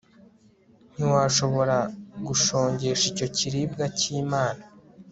ntiwashobora gushongesha icyo kiribwa cy'imana,